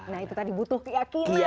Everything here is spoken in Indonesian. nah itu tadi butuh keyakinan